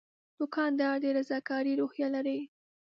دوکاندار د رضاکارۍ روحیه لري.